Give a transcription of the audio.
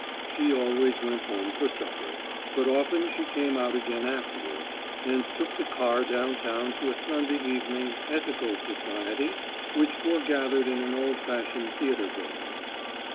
She always went home for supper, but often she came out again afterwards, and took the car down town to a Sunday Evening Ethical Society which foregathered in an old fashioned theatre building.